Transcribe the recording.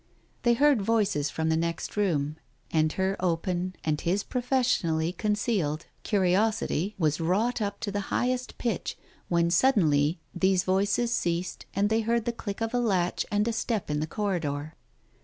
They heard voices from the next room, and her open, and his pro fessionally concealed, curiosity was wrought up to the highest pitch when suddenly these voices ceased, and they heard the click of a latch and a step in the corridor.